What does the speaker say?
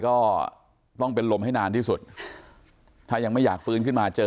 ก็ต้องเป็นลมให้นานที่สุดถ้ายังไม่อยากฟื้นขึ้นมาเจอ